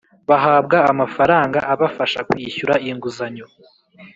bahabwa amafaranga abafasha kwishyura inguzanyo